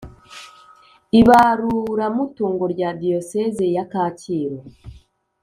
ibaruramutungo rya Diyoseze ya kacyiru